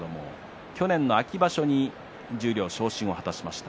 去年の秋場所に十両の昇進を果たしました。